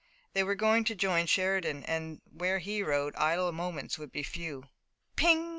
They were going to join Sheridan and where he rode idle moments would be few. "Ping!"